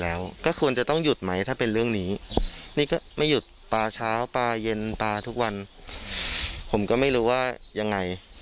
แล้วได้คุยกับทางอย่างนี้บ้าง